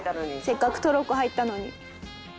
せっかくトロッコ入ったのに。